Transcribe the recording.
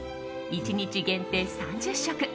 １日限定３０食。